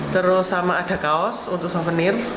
terus sama ada kaos untuk souvenir